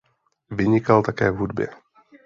Vynikal také v hudbě.